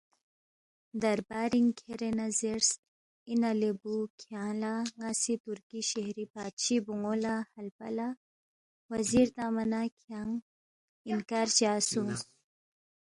“ دربارِنگ کھیرے نہ زیرس، ”اِنا لے بُو کھیانگ لہ ن٘ا سی تُرکی شہری بادشی بون٘و لہ ہلپہ لہ وزیر تنگما نہ کھیانگ اِنکار چا سونگس؟“